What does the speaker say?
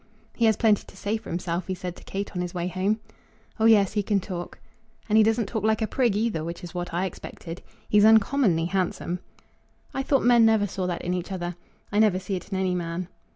"He has plenty to say for himself," he said to Kate on his way home. "Oh yes; he can talk." "And he doesn't talk like a prig either, which was what I expected. He's uncommonly handsome." "I thought men never saw that in each other. I never see it in any man."